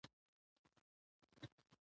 د الله تعالی د دې بې شانه رحمت